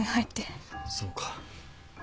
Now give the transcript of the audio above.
そうか。